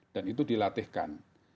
dan itu dilatihkan